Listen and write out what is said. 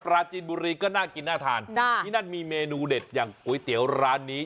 ปราจีนบุรีก็น่ากินน่าทานที่นั่นมีเมนูเด็ดอย่างก๋วยเตี๋ยวร้านนี้